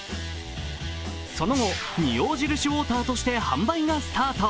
その後、仁王印ウォーターとして販売がスタート。